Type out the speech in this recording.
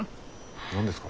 何ですか。